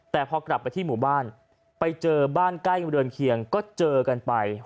แต่พอกลับไปที่หมู่บ้านไปเจอบ้านใกล้เรือนเคียงก็เจอกันไป